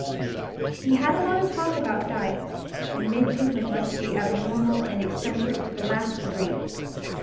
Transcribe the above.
He had a lot of talk about diet, and said Pickman must be abnormal and eccentric to the last degree.